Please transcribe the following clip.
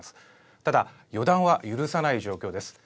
ただ、予断は許さない状況です。